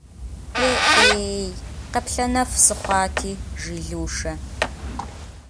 Е-ӏей, къаплъэнэф сыхъуати!- жи Лушэ.